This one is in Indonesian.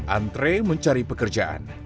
antre mencari pekerjaan